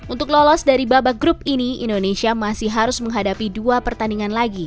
untuk lolos dari babak grup ini indonesia masih harus menghadapi dua pertandingan lagi